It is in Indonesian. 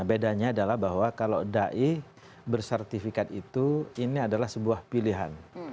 bedanya adalah bahwa kalau ⁇ dai ⁇ bersertifikat itu ini adalah sebuah pilihan